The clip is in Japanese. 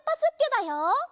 だよ。